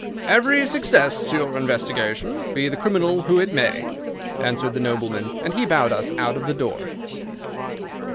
"Every success to your investigation, be the criminal who it may," answered the nobleman, as he bowed us out the door.